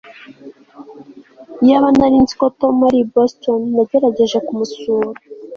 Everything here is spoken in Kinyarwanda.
Iyaba nari nzi ko Tom ari i Boston nagerageje kumusura